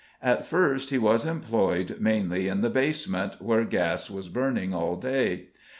At first he was employed mainly in the basement, where gas was burning all day.